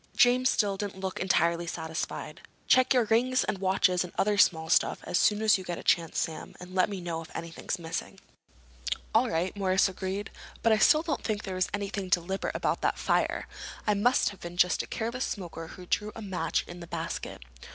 James still didn't look entirely satisfied. "Check your rings and watches and other small stuff as soon as you get a chance, Sam, and let me know if anything's missing." "All right," Morris agreed. "But I still don't think there was anything deliberate about that fire. It must have been just a careless smoker who threw a match in the basket."